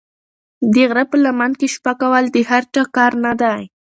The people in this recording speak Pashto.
د غره په لمن کې شپه کول د هر چا کار نه دی.